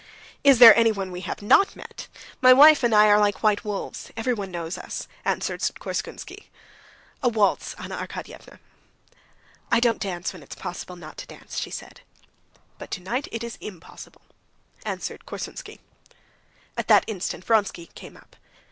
"Is there anyone we have not met? My wife and I are like white wolves—everyone knows us," answered Korsunsky. "A waltz, Anna Arkadyevna?" "I don't dance when it's possible not to dance," she said. "But tonight it's impossible," answered Korsunsky. At that instant Vronsky came up.